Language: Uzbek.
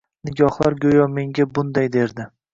Nigohlar goʻyo menga bunday derdi.